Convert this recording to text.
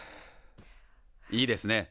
いいですね。